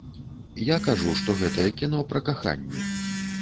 Я кажу, што гэтае кіно пра каханне.